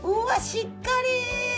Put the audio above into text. しっかり！